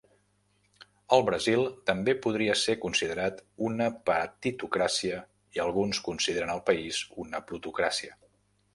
El Brasil també podria ser considerat una partitocràcia i alguns consideren el país una plutocràcia.